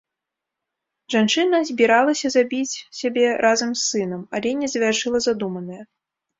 Жанчына збіралася забіць сябе разам з сынам, але не завяршыла задуманае.